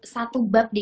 satu bug di